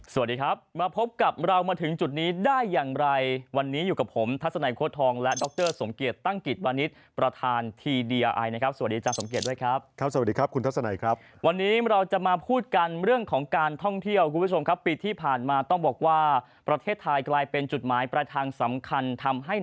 สวัสดีครับมาพบกับเรามาถึงจุดนี้ได้อย่างไรวันนี้อยู่กับผมทัศนัยโค้ดทองและดรสมเกียจตั้งกิจวานิสประธานทีดีอายนะครับสวัสดีอาจารย์สมเกียจด้วยครับครับสวัสดีครับคุณทัศนัยครับวันนี้เราจะมาพูดกันเรื่องของการท่องเที่ยวคุณผู้ชมครับปีที่ผ่านมาต้องบอกว่าประเทศไทยกลายเป็นจุดหมายปลายทางสำคัญทำให้